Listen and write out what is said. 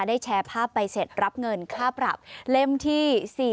แชร์ภาพใบเสร็จรับเงินค่าปรับเล่มที่๔